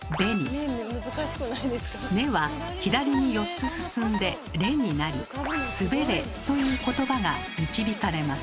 「ね」は左に４つ進んで「れ」になり「すべれ」ということばが導かれます。